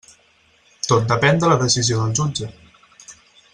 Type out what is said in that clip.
Tot depèn de la decisió del jutge.